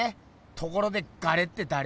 ところでガレってだれ？